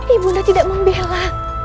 ibu nda tidak membela